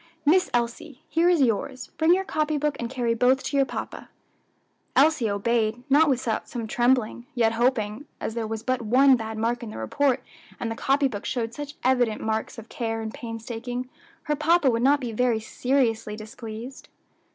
Miss Elsie, here is yours; bring your copy book, and carry both to your papa." Elsie obeyed, not without some trembling, yet hoping, as there was but one bad mark in the report and the copy book showed such evident marks of care and painstaking, her papa would not be very seriously displeased.